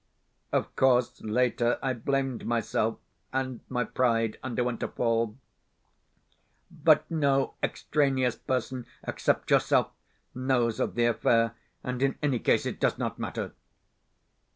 Of course, later I blamed myself, and my pride underwent a fall; but no extraneous person except yourself knows of the affair, and in any case it does not matter.